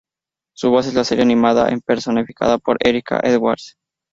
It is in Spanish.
Su voz en la serie animada es personificada por Erica Edwards.